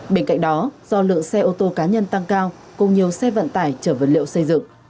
bên cạnh đó do lượng xe ô tô cá nhân tăng cao cùng nhiều xe vận tải chở vật liệu xây dựng